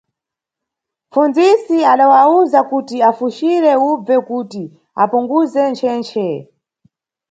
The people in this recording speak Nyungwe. Mʼpfundzisi adawawuza kuti afucire ubve kuti apunguze nchenche.